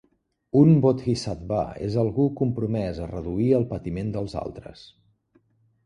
Un bodhisattva és algú compromès a reduir el patiment dels altres.